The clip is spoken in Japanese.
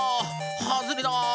はずれだ！